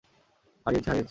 হারিয়েছি, হারিয়েছি।